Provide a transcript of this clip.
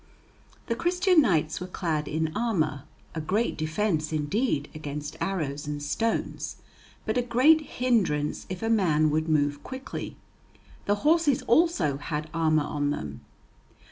The Christian knights were clad in armour, a great defense, indeed, against arrows and stones, but a great hindrance if a man would move quickly; the horses also had armour on them.